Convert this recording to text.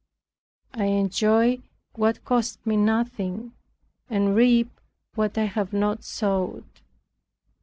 I enjoy what cost me nothing, and reap what I have not sowed."